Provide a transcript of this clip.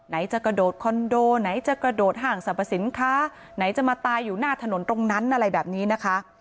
จะกระโดดคอนโดไหนจะกระโดดห้างสรรพสินค้าไหนจะมาตายอยู่หน้าถนนตรงนั้นอะไรแบบนี้นะคะ